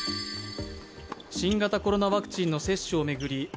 新型コロナワクチンの接種を巡り